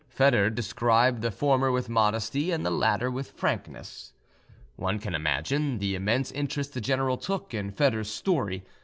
Foedor described the former with modesty and the latter with frankness. One can imagine, the immense interest the general took in Foedor's story.